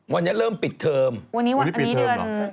วันนี้เริ่มปิดเทอมวันนี้ปิดเทอมเหรอ